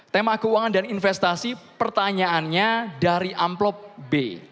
tema keuangan dan investasi pertanyaannya dari amplop b